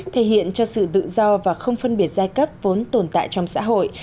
thể hiện cho sự tự do và không phân biệt giai cấp vốn tồn tại trong xã hội